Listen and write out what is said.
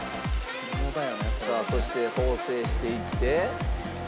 さあそして縫製していって。